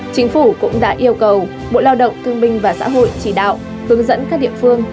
chính phủ cũng đã yêu cầu bộ lao động thương minh và xã hội chỉ đạo hướng dẫn các địa phương